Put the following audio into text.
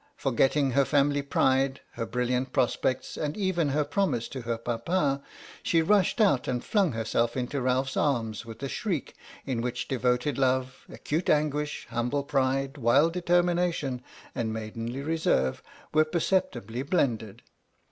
Forgetting her family pride, her brilliant prospects, and even her promise to her papa, she rushed out and flung herself into Ralph's arms with a shriek in which devoted love, acute anguish, hum bled pride, wild determination, and maidenly reserve were perceptibly blended.